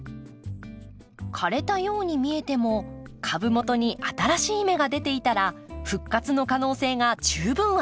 枯れたように見えても株元に新しい芽が出ていたら復活の可能性が十分あります。